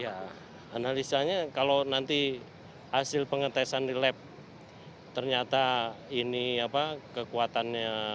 ya analisanya kalau nanti hasil pengetesan di lab ternyata ini apa kekuatannya